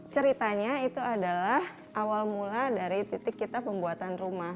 ceritanya itu adalah awal mula dari titik kita pembuatan rumah